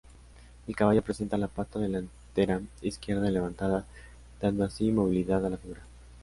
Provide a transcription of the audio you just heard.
El caballo presenta la pata delantera izquierda levantada, dando así movilidad a la figura.